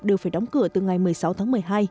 đều phải đóng cửa từ ngày một mươi sáu tháng một mươi hai